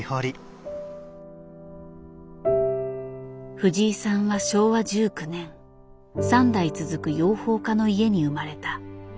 藤井さんは昭和１９年３代続く養蜂家の家に生まれた。